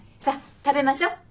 さっ食べましょ。